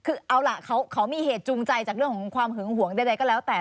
คือเอาล่ะเขามีเหตุจูงใจจากเรื่องของความหึงหวงใดก็แล้วแต่